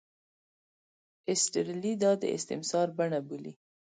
ایسټرلي دا د استثمار بڼه بولي.